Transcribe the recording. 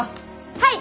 はい！